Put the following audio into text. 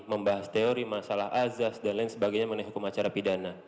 membahas teori masalah azas dan lain sebagainya mengenai hukum acara pidana